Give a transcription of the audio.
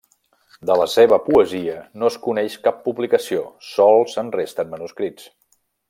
De la seva poesia no es coneix cap publicació, sols en resten manuscrits.